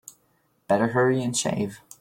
Better hurry and shave.